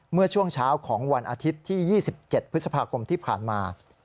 เมื่อช่วงเช้าของวันอาทิตย์ที่๒๗พฤษภาคมที่ผ่านมา